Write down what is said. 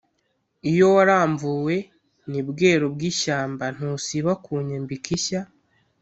iyo waramvuwe ni bwero bw'ishyamba ntusiba kunyambika ishya,